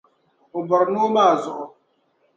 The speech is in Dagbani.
O bɔri noo maa zuɣu.